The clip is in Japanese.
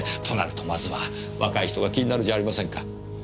となるとまずは若い人が気になるじゃありませんか。